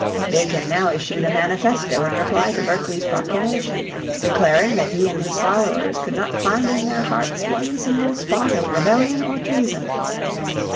Bacon now issued a manifesto in reply to Berkeley's proclamation, declaring that he and his followers could not find in their hearts one single spot of rebellion or treason.